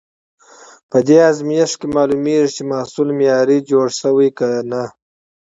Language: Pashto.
په دې ازمېښت کې معلومېږي، چې محصول معیاري جوړ شوی که نه.